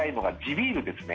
ビールですね。